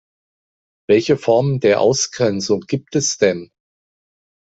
Welche Formen der Ausgrenzung gibt es denn?